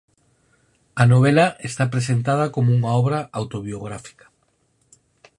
A novela está presentada como unha obra autobiográfica.